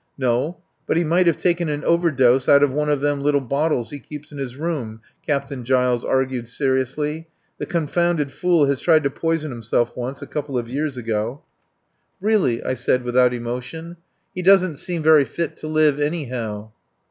"No. But he might have taken an overdose out of one of them little bottles he keeps in his room," Captain Giles argued seriously. "The confounded fool has tried to poison himself once a few years ago." "Really," I said without emotion. "He doesn't seem very fit to live, anyhow."